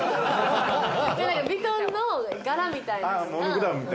ヴィトンの柄みたいなのが。